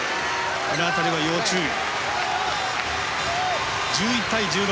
その辺りは要注意。